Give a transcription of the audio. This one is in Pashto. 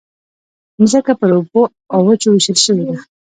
مځکه پر اوبو او وچو وېشل شوې ده.